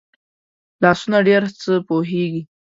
لاسونه ډېر څه پوهېږي